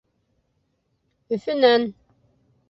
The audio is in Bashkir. Өфөнән